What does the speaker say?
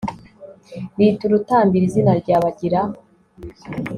bita urutambiro izina rya ..., bagira